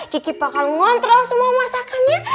kiki bakal ngontrol semua masakannya